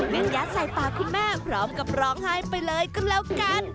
ยัดใส่ปากคุณแม่พร้อมกับร้องไห้ไปเลยก็แล้วกัน